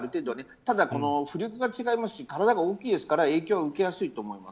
ただ、浮力が違いますし体が大きいですから影響を受けやすいと思います。